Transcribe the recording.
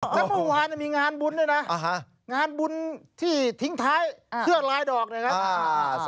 แล้วเมื่อวานมีงานบุญด้วยนะงานบุญที่ทิ้งท้ายเครื่องลายดอกนะครับ